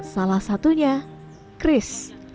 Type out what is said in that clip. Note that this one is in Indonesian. salah satunya chris